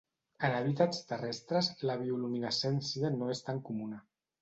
En hàbitats terrestres, la bioluminescència no és tan comuna.